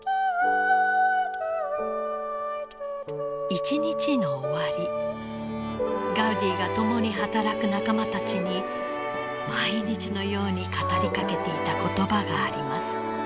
一日の終わりガウディが共に働く仲間たちに毎日のように語りかけていた言葉があります。